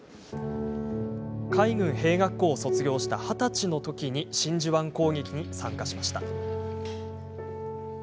海軍兵学校を卒業した二十歳のときに真珠湾攻撃に参加しました。